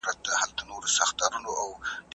يا به ئې د خپلي خوښي کس ته په نکاح ورکوله.